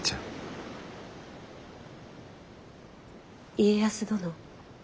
家康殿。